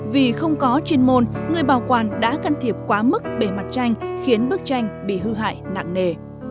vì không có chuyên môn người bảo quản đã can thiệp quá mức bề mặt tranh khiến bức tranh bị hư hại nặng nề